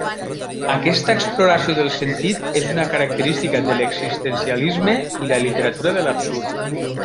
Aquesta exploració del sentit és una característica de l'existencialisme i la literatura de l'absurd.